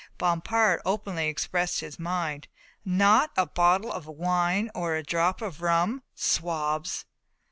Bompard openly expressed his mind. "Not a bottle of wine or a drop of rum, swabs."